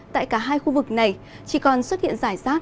tại cả hai khu vực này chỉ còn xuất hiện rải rác